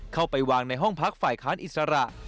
เข้าไปวางในห้องพักฝ่ายค้านอิสระ